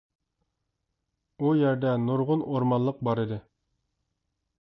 ئۇ يەردە نۇرغۇن ئورمانلىق بار ئىدى.